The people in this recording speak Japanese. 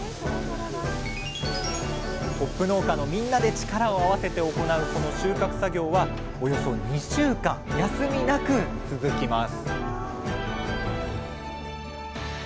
ホップ農家のみんなで力を合わせて行うこの収穫作業はおよそ２週間休みなく続きます